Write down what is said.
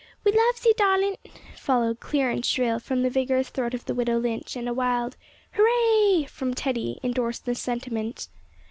"We loves ye, darlint," followed clear and shrill from the vigorous throat of the widow Lynch, and a wild "Hooray!" from Teddy endorsed the sentiment.